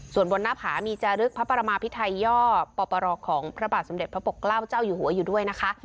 ส่วนบนหน้าผามีจารึกพระปรมาพิไทยย่อปปรของพระบาทสมเด็จพระปกเกล้าเจ้าอยู่หัวอยู่ด้วยนะคะ